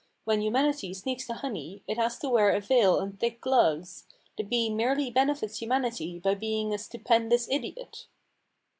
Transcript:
When humanity sneaks the honey it has to wear a veil and thick gloves. The bee merely benefits humanity by being a stupendous idiot."